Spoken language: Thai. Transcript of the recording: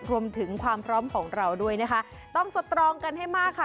รวมถึงความพร้อมของเราด้วยนะคะต้องสตรองกันให้มากค่ะ